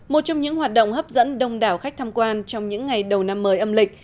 một trong những hoạt động hấp dẫn đông đảo khách tham quan trong những ngày đầu năm mới âm lịch